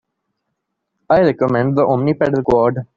I recommend the Omni pedal Quad.